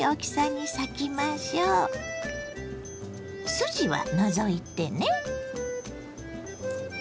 筋は除いてね。